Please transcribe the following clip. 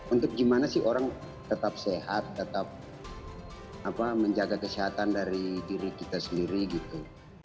untuk gimana sih orang tetap sehat tetap menjaga kesehatan dari diri kita sendiri gitu